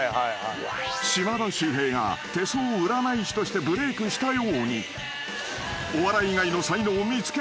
［島田秀平が手相占い師としてブレークしたように］